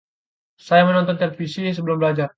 Saya menonton televisi sebelum belajar.